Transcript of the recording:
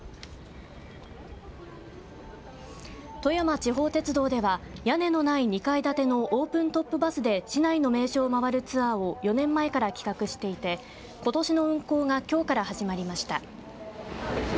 富山地方鉄道では屋根のない２階建てのオープントップバスで市内の名所を回るツアーを４年前から企画していてことしの運行がきょうから始まりました。